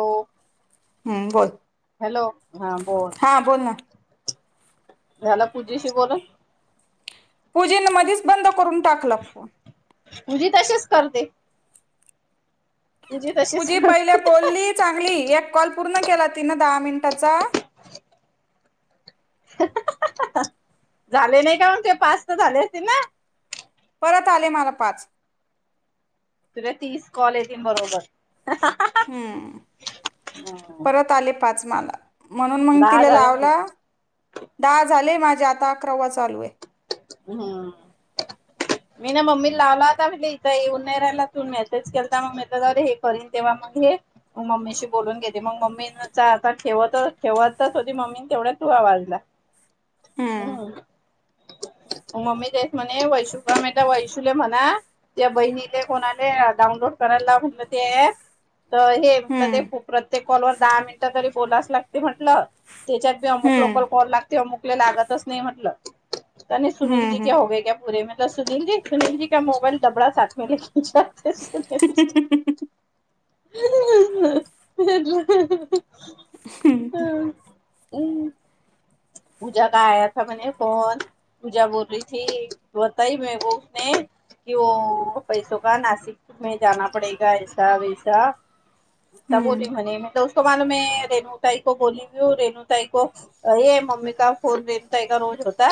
हो हम्म बोल हॅलो हा बोल. हा बोल ना झाला पूजेशी बोलून. पूजेन मधीच बंद करून टाकला फोन. पुजी तशीच करते. पूजी तशीच पुजी पहिल्या करते बोलली चांगली. एक कॉल पूर्ण केला तिन दहा मिनटाचा. झाले नाही का म्हग ते पाच तर झाले असतील ना. परत आले मला पाच. तुला तीस कॉल येतील बरोबर. हम्म परत आले पाचमाला म्हणून मग दहा तिला झाले लावला म्हणजे दहा झाले माझे आता अकरावा चालू आहे. हम्म. मी ना मम्मी लावला आता म्हले इथं येऊन नाही राहिला तू मेसेज केलता मम्मी त जाऊरे हे करीन तेव्हा मग हे मग मम्मीशी बोलून घेते मग मम्मी आता ठेवत ठेवतच होती मम्मी तेवढ्या धुवा वाढला हम्म हम मम्मी तेेत म्हणे वैषुम वैशुले म्हणा त्या बहिणीले कोणालेा करायला म्हणवते. तर हे म्ह ते हम्म प्रत्येक कॉलवर दहा मिनिटं तरी बोलाच लागते म्हटलं. त्याच्यात बी अमुक हम्म लोकल कॉल लागते अमुकला लागतच नाही म्हटलं. पनी सुनील जी क्या हम्म होग क्या पुरे म. सुनील जी सुनील जी का मोबाईल डबडा सा म घलेते सुनील. हम्म [unintelligible] पूजा काय आया म्ह फोन पूजा बोल र ती बताई मेकने. कि पैसो का नाशिक ही जा पडेग ऐसा वैसा बोली हम्म म्हणे म दोस्तो मालूम म रेणुताई को बोलली ह रेणुताई को. अ ये मम्मी का फूल रेनुताई का रोज होता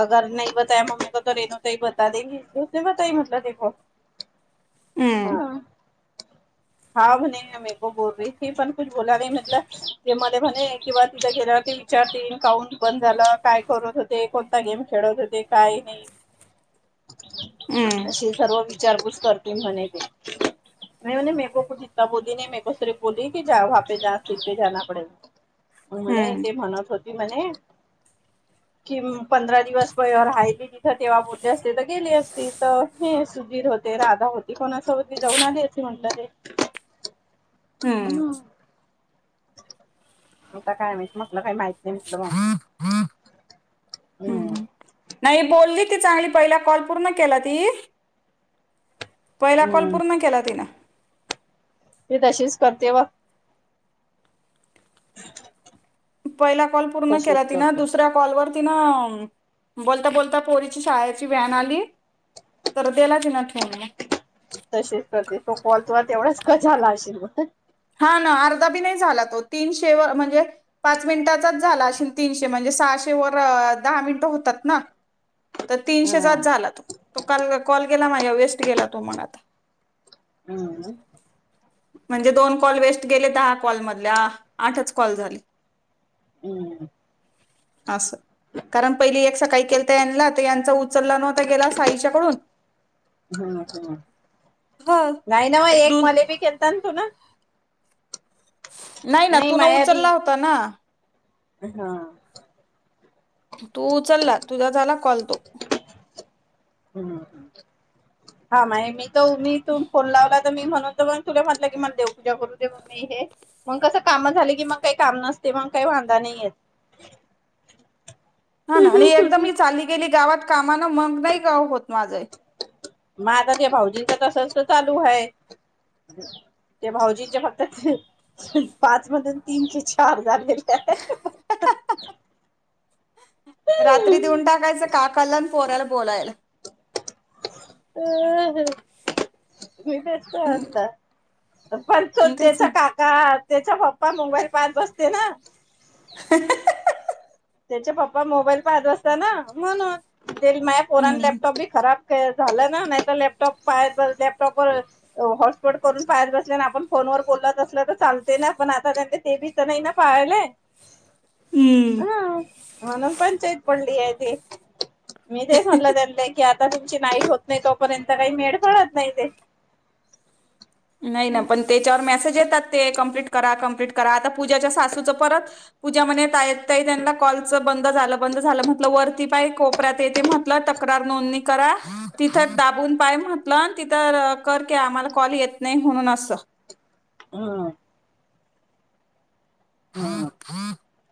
अगर नाही बताया मम्मी का तर रेनुताई बता तने पताई मतल देखो. ह हा म्हणे मी मेको बोल र ती पण कु बोला म्हटलं जे मध्ये म्हणे किंवा तिथ गेला चार तन काउंट बंद झालं काय करत होते कोणता गेम खेळत होते काय नाही. हम्म अशी सर्व विचारपूस करतील म्हणे ते नाही मेको ख जिता बोली नाही मेको सिर्फ बोलीी जपे जा सिर पे जा पडे हम् म्हत होती म्हणे. कि पंधरा दिवस प रायली तिथं तेव्हा बोलले असते तर गेली असते तर हे सुधीर हो ते राधा होती कोणा असं होती जाऊन आली असे म्हटलं ते हम्म आता काय म्हटलं काही माहित नाही म्हटलं म्ह हम्म नाही बोलली ती चांगली पहिला कॉल पूर्ण केला ती पहिला कॉल हम्म पूर्ण केला तिनं मी तशीच करते वा हम् पहिला कॉल पूर्ण केला ति ना दुसऱ्या कॉलवर तिन बोलता बोलता पोरीची शाळेत वन आली तर दिला तिने ठेऊन तशीच करते तो कॉल तू तेवढाच कजालाशील मग हो ना अर्धाबी नाही झाला तो तीनशे व म्हणजे पाच मिनटाचाच झाला असेल तीनशे म्हणजे सहाशे वर दहा मिनिट होतात ना तर तीनशेचाच हम्म झाला तो, तो काल कॉल केला माझ्या वेस्ट गेला तो मग आता [inaudible] म्हणजे दोन कॉल वेस्ट गेले दहा कॉल मधल्या आठच कॉल झाले. [inaudible] अससं. कारण पहिली एक सकाळी केलता यांनला तर यांचा उचलला नव्हता गेला साईच्याकडून हा नाही ना व तर एक दु मले बी खेलता ना तू नं नाही ना तुनं माया बी उचलला होता ना. हा. तू उचलला, तुझा झाला कॉल तो. ह्म हा माय मी तू मी इ तून फोन लावला. मी म्हणतो की तुले म्हटलं की मला देवपूजा करू दे, मं हे मग कसं कामं झाले की मग काही काम नसत. तेव्हा काय वांदा नाही येत. [unintelligible] हा ना आणि एकदम चाली गेली गावात कामान मग नाही का ओ होत. माझं मग आता भाऊजींच तसचं चालू आहे. ते भाऊजींचे फक्त ती पाच मधून तीन ते चार झाले काय [inaudible] रात्री देऊन टाकायचं काकाला आणि पोराला बोलायला [inaudible] [inaudible] हं, तेच ना. त्याच्या पप्पा मोबाईल पाहत बसते ना [inaudible] त्याचे पप्पा मोबाईल पाहत असताना म्हणून ते माझ्या पोरन हम्म. लॅपटॉप बी खराब ते झाल ना नाहीतर लॅपटॉप बाहेर लपटॉपवर हॉटस्पॉट करून पाहत बसत ना आपन फो फोनवर बोलत बसलं तर चालतंय ना पण आता त्यांनी ते बी तर नाही ना पाहिले. हम्म म्हणून पंचायत पडली आहे ते, मी तेच म्हणलं त्यांनला की आता आता तुमची नाईट होत नाही तोपर्यंत काय मेड पडत नाही ते नाही ना पण त्याच्यावर मेसेज येतात ते कंप्लीट करा कंप्लीट करा आता पूजाच्या सासूचं परत पूजा म्हणे ताईं ताई त्यांनला कॉलच बंद झालं बंद झालं म्हटलं वरती पाही कोपऱ्यात येते म्हटलं तक्रात नोंदणी करा तिथ दाबून पाही म्हटलं अन तिथ कर की आम्हाला कॉल येत नाही म्हणून असं [inaudible] हम्म. [unintelligible]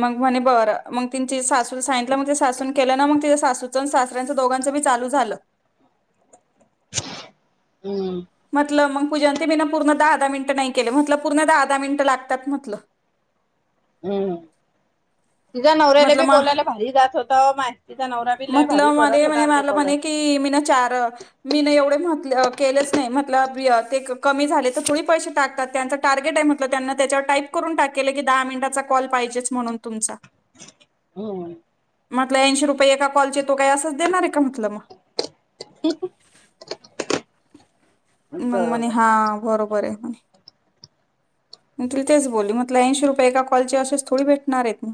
मग म्हणे बरं मग तेंची सासून सांगितलं मग सासून केलं ना मग त्या सासू सा दोघांचं बी चालू झालं. [inaudible] म्हटलं मग पूजान ती मी ना पूर्ण दहा दहा मिनिट नाही केले म्हटलं, पूर्ण दहा- दहा मिनिट लागतात म्हटलं. [inaudible] हम्म. तिचा नव्याला म्हटलं बी मा बोलायला भारी जात होत. माय तिचा नवऱ्या बी भारी म्हटलं भरत मले होता म्हणे आणि ते मला बोल म्हणे की मी ना चार मी न एवढे म्हटलं केलच नाही म्हटलं कमी झाले, तर थोडी पैसे टाकतात त्यांच टार्गेट आहे म्हटलं त्या त्याच्यावर टाईप करून टाक केलं की दहा मिनिटाचा कॉल पाहिजेच म्हणून तुमचा. हम्म. म्हटलं ऐंशी रुपये एका कॉलचे तो काय असंच देणार आहे का म्हटलं मग. [inaudible] मग म्हणे बरोबर. हा बरोबर ए मग तेच बोल म्हटलं ऐंशी रुपये एका कॉलची अशेच थोडी भेटणार हेत.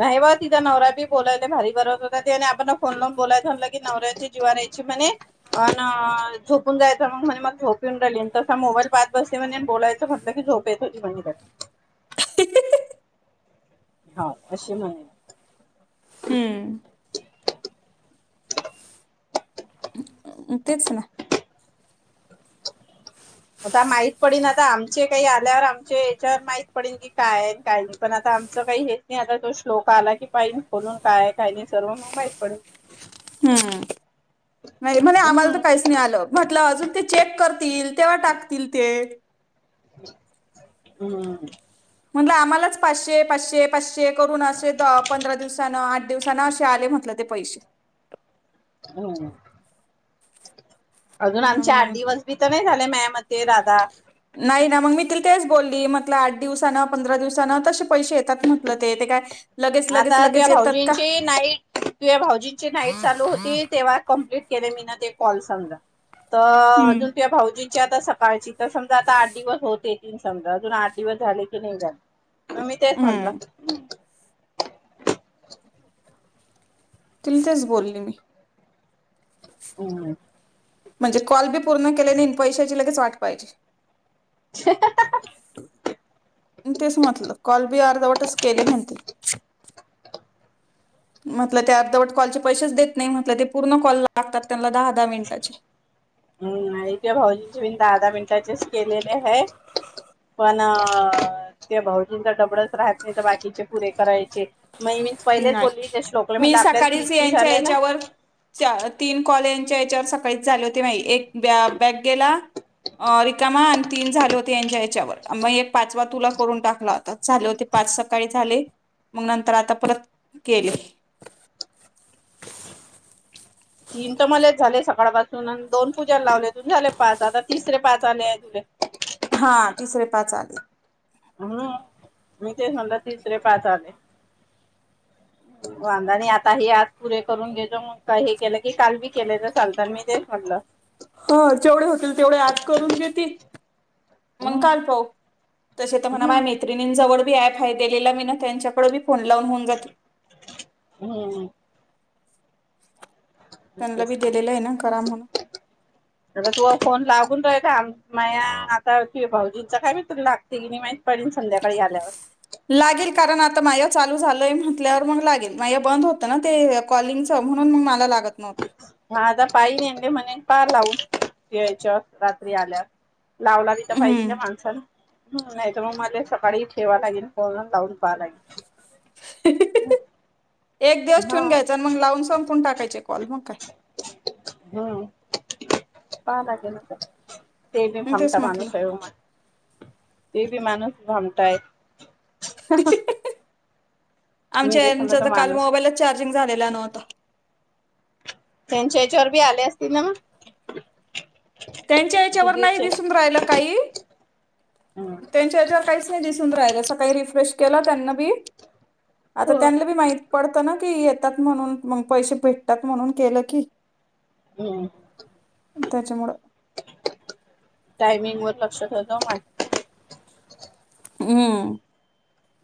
नाही बा तिथं नवरा बी बोलायला भारी बरळत होता आणि आपण फोन लावून बोलायच म्हणलं की नवऱ्याच्या जीवारय [inaudible] झोपून जायचं म्हणे अन मला झोप येऊ राहिली म्हणी मोबाईल पाहत बसती म्हणे. बोलायचं म्हणल की झोपयचचं म्हणजे काय. [inaudible] हो अशी म्हणे - - हम्म. [inaudible] तेच ना. आता माहित पडिन आता आमचे काही आल्यावर आमचे याच्यावर माहित पडिन की काय काय पण आता आमच काही हेच नाही आता तो श्लोक आला कि पाई खोलून काय काही नाही सर्व मग माहीत पडीन. हम्म. नाही म्हणे आम्हाला हम्म तर काहीच नाही आलं म्हटलं अजून ते - - चेक करतील तेव्हा टाकतील ते. हम्म. म्हंटलं आम्हालाच पाचशे, पाचशे, पाचशे करून असे पंधरा दिवसान आ - - दिवसाना अस आले म्हटल ते पैसे. हम्. अजून मग आमचे आठ म्हणे दिवस बी तर नाही झाले माझ्या मते दादा नाही ना. मग मी - - तेच बोलली म्हटलं आठ दिवसान, पंधरा दिवसान तसे पैसे येतात. म्हटलं ते ते काय - आता ते भाऊजींची नाईट तुझ्या भाऊजींची नाईट चालू होती. तेव्हा कंप्लीट - - केले मी ना ते कॉल संग त हम्म अजून भाऊजी च्या आता सकाळची तर समजा आता आठ दिवस होते ती समजा अजून आठ दिवस झाले की नाही झाले. मी तेच म्हटलं. हम्म तिल तेच बोलली मी. हम्म. म्हणजे कॉल बी पूर्ण केले नाही. पैशाची लगेच वाट पाहिजे. [inaudible] तेच म्हटलं कॉलबी अर्धवटच केले म्हणते. म्हटलं ते अर्धवट कॉलचे पैसेच देत नाही म्हटलं ते पूर्ण कॉल लागतात त्यांना दहा दहा मिनिटाचे. ह नाहि भाऊजी बि दहा दहा मिनटाचेच केलेले हाय. पण ते भाऊजींचा टबळच राहत नाही तर बाकीचे पुरे करायचे. मग मी पहिलेच नाही. बोलली ते श्लोकला मी म्हटलं आपल्याला सकाळीच तीस तीस यांच्या आले ना याच्यावर तीन कॉले- - याच्यावर सकाळी झाले होते माइ एक बॅक गेला. अ रिकामा आणि तीन झाले होते यांच्या याच्यावर मग एक पाचवा तुला करून टाकला होता झाले होते. पाच सकाळी झाले मग नंतर आता परत केले. तीन तर मलाच झाले सकाळ पासून आणि दोन पूजाला लावले तून झाले पाच आता तिसरे पाच आले आहे तुले - - हा तिसरे पाच आले. हम्. मी तेच म्हणलं तिसरे पाच आले. वांदा आणि आता हे आज पुरे करून घेतचो मग हे केलं की काल बी केले तर चालत मी तेच म्हणलं. हा जेवढे होतील तेवढे आज करून घेते. मग हम्म काल पाहु तसे तर म्हणा मा हम्म मैत्रिणीं जवड- - ते ॲप हाय दिलेलं मीना त्यांच्याकडी फोन लावून होऊन जाते. हम्म [inaudible] त्यांना बी दिलेलं आहे ना करा म्हणून. आगं तु आ फोन लागून रा का माया आता कि भाऊजींच काय मी तुला लागते की नाही माहित पाहिजे संध्याकाळी आल्यावर. लागेल कारण आता माया चालू झालंय म्हटल्यावर मग लागेल. मा बंद होतं ना ते कॉलिंगच म्हणून म मला लागत - - माझा पाय [unintelligible] म्हणे का लावू [unintelligible] रात्री आल्यास. लावला तिथं पाहिजे, का हम्म माणसानं? हम नाही तर, मग माझ्या सकाळी ठेवा लागेल [unintelligible] लावून पहा लागेल. [unintelligible] एक दिवस हा ठेवून घ्यायचा, आणि मग लावून संपवून टाकायचे कॉल मग काय? हम [unintelligible] ते बी मी तेच म्हटलं [unintelligible] ते बी माणुस भामटा हाय. आमच्या यांचा तर काल माणूस मोबाईलच चार्जिंग झालेला नव्हता. त्यांच्या याच्यावर बी आले असतील ना मग? त्यांच्या याच्यावर नाही सुधीरचे दिसून राहिलं काही, हम्म त्यांच्या याच्यावर काहीच नाही दिसू न राहिला, सकाळी रिफ्रेश केला त्यांना बी, आता हो त्यांला बी माही पडतं ना की येतात म्हणून, मग पैसे भेटतात म्हणून केलं की. हम्म. त्याच्यामुळं. मेलवर लक्ष ठेव गं माय. हम्म.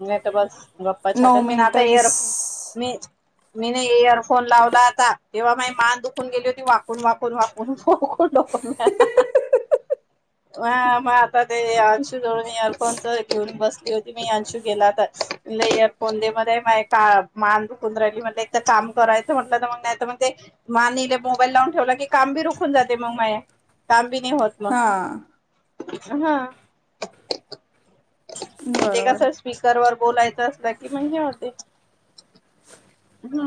नाही तर बस, गप्पा नऊ मिनिटं वीस [unintelligible] मी ना इयरफोन लावला आता, तेव्हा माय मान दुखून गेली होती वाकून वाकून वाकून. डोकून. [inaudible] हा मग आता ते अंशू जवळ मी इअरफोनच घेऊन बसली होती मी, अंशू गेला तर, म्हणलं इअरफोन दे मले माय का मान दुखून राहयली म्हणलं, एकत काम करायचं म्हंटल मग नायतर मग ते, मान इले मोबाईल लावून ठेवला की काम बी रुखून जाते मग माये, काम बी नाय होत मग, हा हा. बरोबर. रवर बोलायचं असलं की मग हे होते. हा.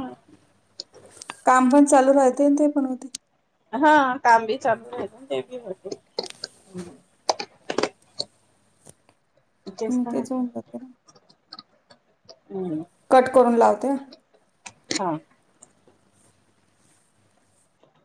काम पण चालू राहते अन ते पण होते. हा काम बी चालू राहिलं, आणि ते बी होतयं हम. [inaudible] म तर तेच म्हटलं होऊन, जात ना. हम्म कट करून लावते हा. हा.